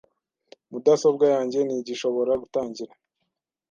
Mudasobwa yanjye ntigishobora gutangira.